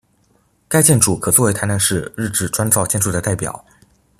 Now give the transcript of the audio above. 该建筑可做为台南市日治砖造建筑的代表。